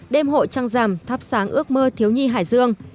đêm hội trăng rằm thắp sáng ước mơ thiếu nhi hải dương